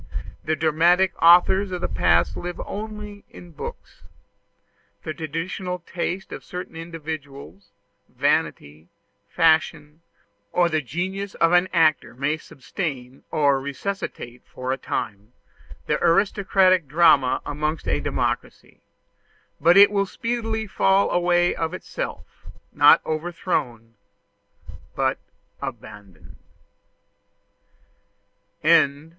The dramatic authors of the past live only in books. The traditional taste of certain individuals, vanity, fashion, or the genius of an actor may sustain or resuscitate for a time the aristocratic drama amongst a democracy; but it will speedily fall away of itself not overthrown, but abandoned.